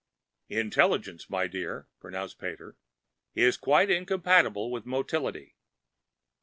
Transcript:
"Intelligence, my dear," pronounced Pater, "is quite incompatible with motility.